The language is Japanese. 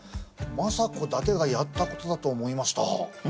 政子だけがやったことだと思いました。